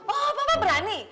oh papa berani